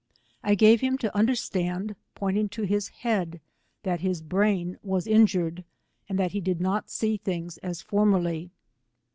I gave him to understand, pointing to his head, that his braia was injured, and that he did not see things as for merly.